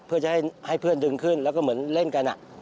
เพื่อจะให้เพื่อนดึงขึ้นแล้วก็เหมือนเล่นกัน